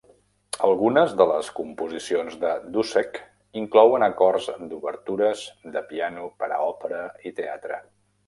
Algunes de les composicions de Dussek inclouen acords de obertures de piano per a òpera i teatre.